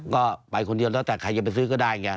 ก็ไปคนเดียวแล้วแต่ใครจะไปซื้อก็ได้ไง